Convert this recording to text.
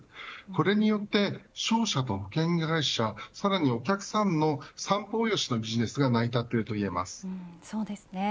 これによって、商社と保険会社さらにお客さんの三方よしのビジネスが成り立っているそうですね。